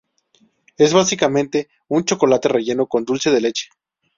Es básicamente un chocolate relleno con dulce de leche.